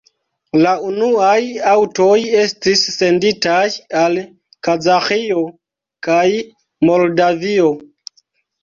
La unuaj aŭtoj estis senditaj al Kazaĥio kaj Moldavio.